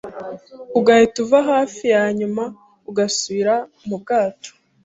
ugahita uva hafi hanyuma ugasubira mubwato